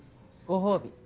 ご褒美。